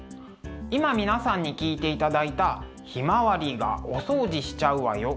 今皆さんに聴いていただいた「ひまわりがお掃除しちゃうわよ」。